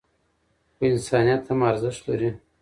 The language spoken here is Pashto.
خو انسانیت هم ارزښت لري.